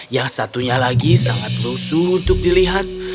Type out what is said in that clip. yang satunya lagi sangat lusuh untuk dilihat